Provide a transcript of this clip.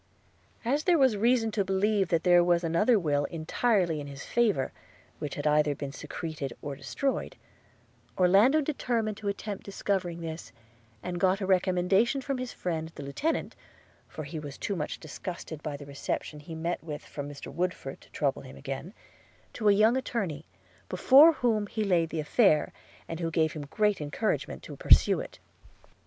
As there was great reason to believe that there was another will entirely in his favour, which had been either secreted or destroyed, Orlando determined to attempt discovering this, and got a recommendation from his friend the lieutenant (for he was too much disgusted by the reception he met with from Mr Woodford to trouble him again) to a young attorney, before whom he laid the affair, and who gave him great encouragement to pursue it.